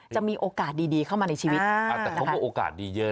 จะมีโอกาสดีดีเข้ามาในชีวิต